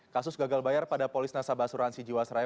kasus gagal bayar pada polis nasabah asuransi jiwasraya